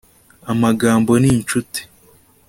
amagambo n'inshuti